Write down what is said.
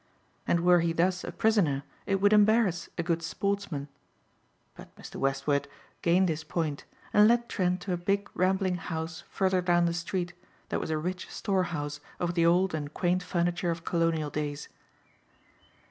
And were he thus a prisoner it would embarrass a good sportsman. But Mr. Westward gained his point and led Trent to a big rambling house further down the street that was a rich store house of the old and quaint furniture of Colonial days.